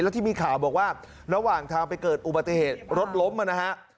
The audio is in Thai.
แล้วที่มีข่าวบอกว่าระหว่างทางไปเกิดอุบัติเหตุรถล้มนะฮะ